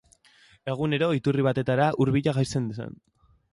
Egunero iturri batetara ur bila jaisten zen.